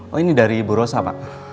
oh ini dari bu rosa pak